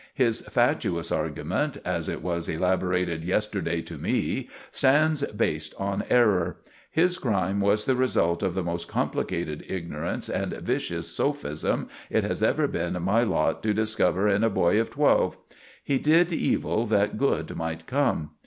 His fatuous argument, as it was elaborated yesterday to me, stands based on error; his crime was the result of the most complicated ignorance and vicious sophism it has ever been my lot to discover in a boy of twelve. He did evil that good might come.